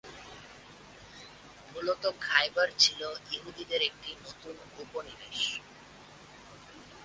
মূলত খায়বার ছিল ইহুদীদের একটি নতুন উপনিবেশ।